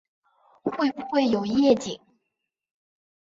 会不会有夜景